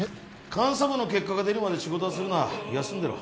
監査部の結果が出るまで仕事はするな休んでろ